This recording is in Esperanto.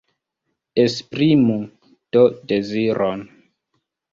Esprimu do deziron.